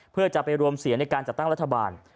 เพื่อจะไปรวมเสียงในการจัดตั้งรัฐบาล